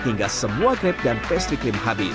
sehingga semua crepes dan pastry cream habis